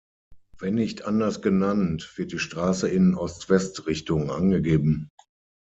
Wenn nicht anders genannt, wird die Straße in Ost-West-Richtung angegeben.